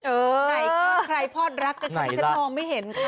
เออใครพรอดรักกันคะ้ไม่เห็นค่ะ